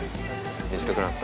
短くなった？